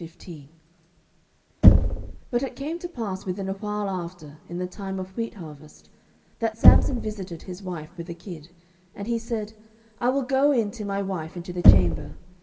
07:015:001 But it came to pass within a while after, in the time of wheat harvest, that Samson visited his wife with a kid; and he said, I will go in to my wife into the chamber.